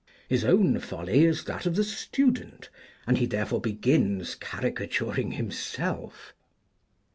His own folly is that of the student, and he therefore begins caricaturing himself.